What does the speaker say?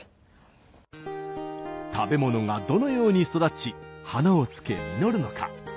食べ物がどのように育ち花をつけ実るのか。